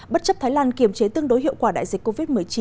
bất chấp thái lan kiềm chế tương đối hiệu quả đại dịch covid một mươi chín